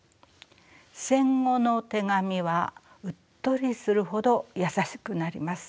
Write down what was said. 戦後の手紙はうっとりするほど優しくなります。